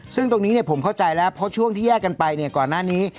ซึ่งตรงนี้ผมเข้าใจแล้วเพราะช่วงที่แยกกันไปก่อนหน้านี้